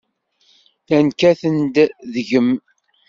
Llan kkaten-d deg-m.